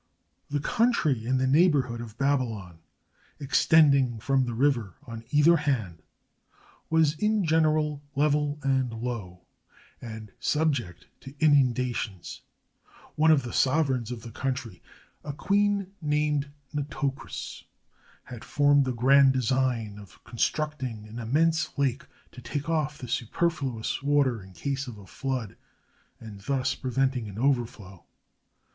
The country in the neighborhood of Babylon, extend ing from the river on either hand, was in general level and low, and subject to inundations. One of the sov ereigns of the country, a queen named Nitocris, had formed the grand design of constructing an immense lake, to take off the superfluous water in case of a flood, and thus prevent an overflow.